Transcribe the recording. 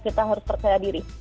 kita harus percaya diri